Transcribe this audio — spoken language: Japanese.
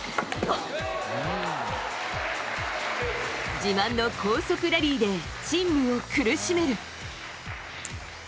自慢の高速ラリーでチン・ムを苦しめる。